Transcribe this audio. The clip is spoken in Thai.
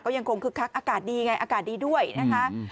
ยังคงคึกคักอากาศดีไงอากาศดีด้วยนะคะ